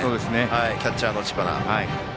キャッチャーの知花。